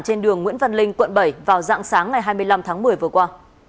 trên đường nguyễn văn linh quận bảy vào dạng sáng ngày hai mươi năm tháng một mươi vừa qua